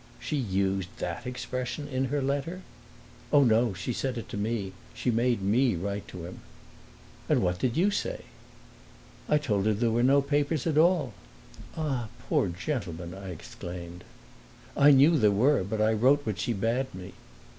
"She used that expression in her letter?" "Oh, no; she said it to me. She made me write to him." "And what did you say?" "I told him there were no papers at all." "Ah, poor gentleman!" I exclaimed. "I knew there were, but I wrote what she bade me."